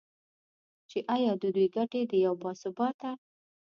چې ایا د دوی ګټې د یو با ثباته